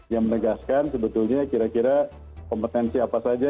yang menegaskan sebetulnya kira kira kompetensi apa saja